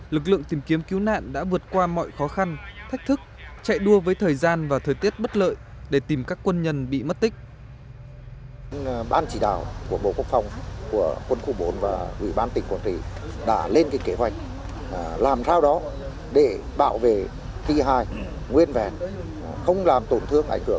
lực lượng tìm kiếm cứu nạn đã vượt qua mọi khó khăn thách thức chạy đua với thời gian và thời tiết bất lợi để tìm các quân nhân bị mất tích